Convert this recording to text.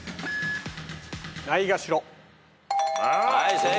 はい正解。